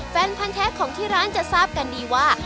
แฟนพันธ์แท้ของที่ร้านจะทราบกันดีว่า